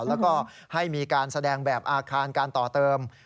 แล้วก็ให้มีการแสดงแบบอาคารการต่อเติม